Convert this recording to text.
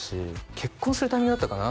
結婚するタイミングだったかな